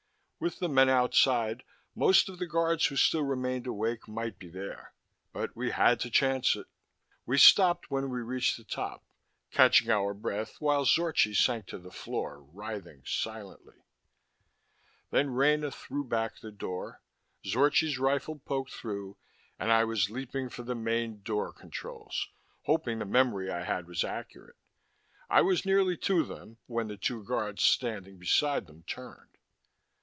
With the men outside, most of the guards who still remained awake might be there. But we had to chance it. We stopped when we reached the top, catching our breath while Zorchi sank to the floor, writhing silently. Then Rena threw back the door, Zorchi's rifle poked through, and I was leaping for the main door controls, hoping the memory I had was accurate. I was nearly to them when the two guards standing beside them turned.